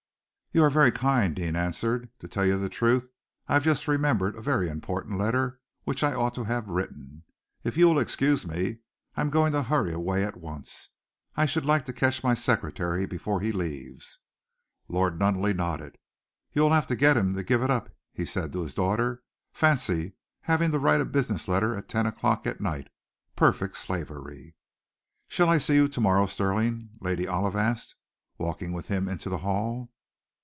"You are very kind," Deane answered. "To tell you the truth, I have just remembered a very important letter which I ought to have written. If you will excuse me, I am going to hurry away at once. I should like to catch my secretary before he leaves." Lord Nunneley nodded. "You will have to get him to give it up," he said to his daughter. "Fancy having to write a business letter at ten o'clock at night! Perfect slavery!" "Shall I see you to morrow, Stirling?" Lady Olive asked, walking with him into the hall.